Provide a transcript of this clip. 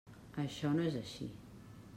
Això no és així.